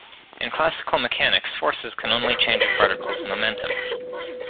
In classical mechanics, forces can only change a particle's momentum.